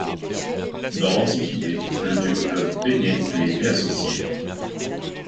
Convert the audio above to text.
Dans l'Antiquité, le dieu fleuve Pénée lui était associé.